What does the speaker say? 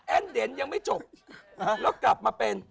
เดนยังไม่จบแล้วกลับมาเป็น